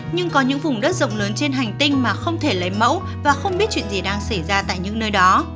nhưng có những vùng đất rộng lớn trên hành tinh mà không thể lấy mẫu và không biết chuyện gì đang xảy ra tại những nơi đó